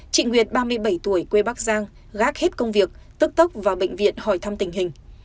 chị nguyệt ba mươi bảy tuổi quê bắc giang gác hết công việc tức tốc vào bệnh viện hỏi thăm tình hình